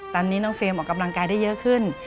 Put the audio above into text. ตอนนี้น้องเฟรมออกกำลังกายได้เยอะขึ้น